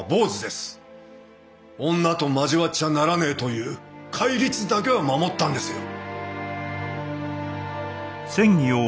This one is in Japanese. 女と交わっちゃならねえという戒律だけは守ったんですよ。